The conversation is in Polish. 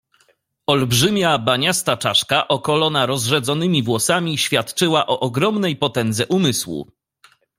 "Olbrzymia, baniasta czaszka, okolona rozrzedzonymi włosami, świadczyła o ogromnej potędze umysłu."